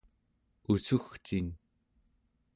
ussugcin